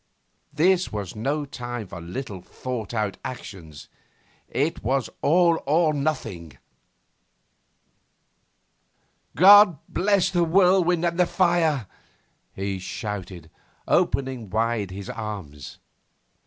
This was no time for little thought out actions. It was all or nothing! 'God bless the whirlwind and the fire!' he shouted, opening wide his arms.